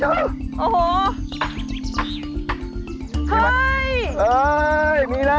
เฮ่ยมีแล้ว